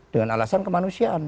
dengan alasan kemanusiaan